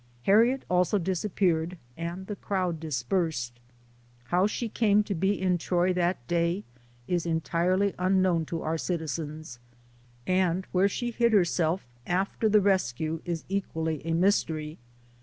Harriet also disappeared, and the crowd dispersed. How she came to be in Troy that day, is entirely un known to our citizens ; and where she hid herself after the rescue, is equally a mystery.